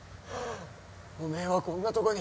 おめえはこんなとこに。